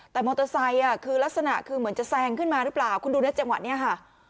แต่มอเตอร์ไซค์คือลักษณะคือเหมือนจะแซงขึ้นมาหรือเปล่าคุณดูนะจังหวะนี้ค่ะ